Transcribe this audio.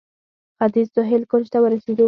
ختیځ سهیل کونج ته ورسېدو.